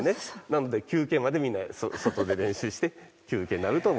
なので休憩までみんな外で練習して休憩になると戻ってくる。